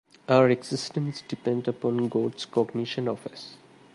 Our existence depends upon God's cognition of us.